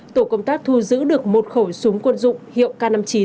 tổ công tác thu giữ được một khẩu súng quân dụng hiệu k năm mươi chín